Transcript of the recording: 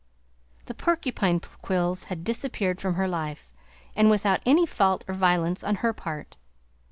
The porcupine quills had disappeared from her life, and without any fault or violence on her part.